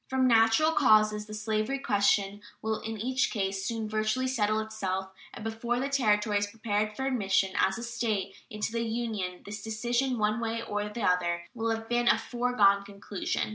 From natural causes the slavery question will in each case soon virtually settle itself, and before the Territory is prepared for admission as a State into the Union this decision, one way or the other, will have been a foregone conclusion.